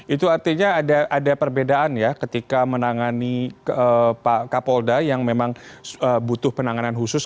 itu artinya ada perbedaan ya ketika menangani pak kapolda yang memang butuh penanganan khusus